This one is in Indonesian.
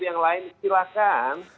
yang lain silakan